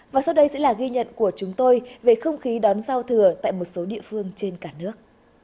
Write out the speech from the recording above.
và sau đây sẽ là ghi nhận của chúng tôi về không khí đón giao thừa tại một số địa phương trên cả nước